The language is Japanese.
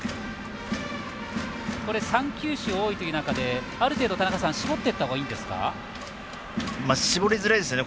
３球種多いという中である程度絞っていったほうが絞りづらいですよね。